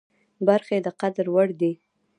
برخې د قدر وړ دي.